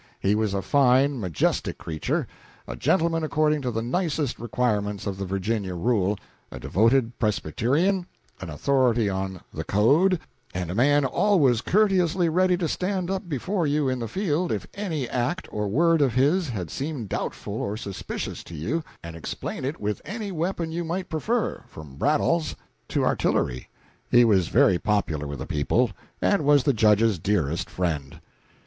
He was a fine, brave, majestic creature, a gentleman according to the nicest requirements of the Virginia rule, a devoted Presbyterian, an authority on the "code," and a man always courteously ready to stand up before you in the field if any act or word of his had seemed doubtful or suspicious to you, and explain it with any weapon you might prefer from brad awls to artillery. He was very popular with the people, and was the Judge's dearest friend.